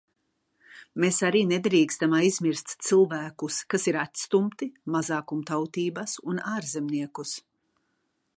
Mēs arī nedrīkstam aizmirst cilvēkus, kas ir atstumti, mazākumtautības un ārzemniekus.